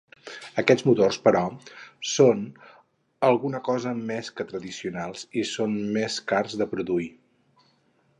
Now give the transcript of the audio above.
Aquests motors, però, són alguna cosa més que tradicionals i són més cars de produir.